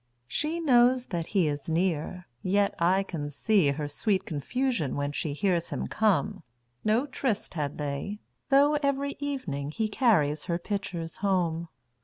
She knows that he is near, yet I can seeHer sweet confusion when she hears him come.No tryst had they, though every evening heCarries her pitchers home.